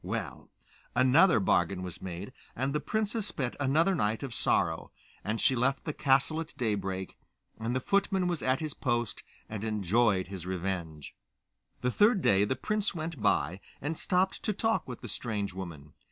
Well, another bargain was made, and the princess spent another night of sorrow, and she left the castle at daybreak, and the footman was at his post and enjoyed his revenge. The third day the prince went by, and stopped to talk with the strange woman.